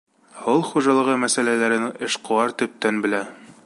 Ауыл хужалығы мәсьәләләрен эшҡыуар төптән белә.